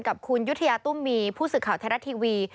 กับคุณยุธยาตุ้มมีผู้สื่อข่าวไทยรัฐทีวี